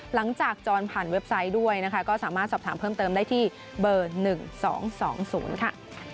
จรผ่านเว็บไซต์ด้วยนะคะก็สามารถสอบถามเพิ่มเติมได้ที่เบอร์๑๒๒๐ค่ะ